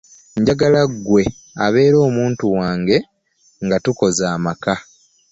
Njagala gwe abeera omuntu wange nga tukoze amaka.